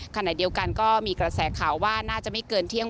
ขณะเดียวกันก็มีกระแสข่าวว่าน่าจะไม่เกินเที่ยง